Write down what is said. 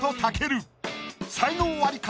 才能アリか？